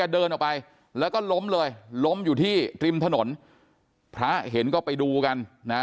เดินออกไปแล้วก็ล้มเลยล้มอยู่ที่ริมถนนพระเห็นก็ไปดูกันนะ